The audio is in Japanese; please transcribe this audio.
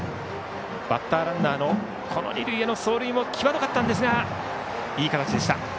バッターランナーの二塁への走塁も際どかったんですがいい形でした。